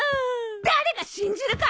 誰が信じるか！